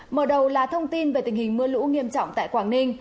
mở đầu là thông tin về tình hình mưa lũ nghiêm trọng tại quảng ninh